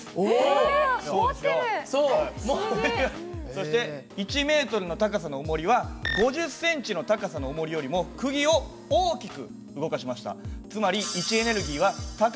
そして１ｍの高さのおもりは５０センチの高さのおもりよりもくぎを大きく動かしました。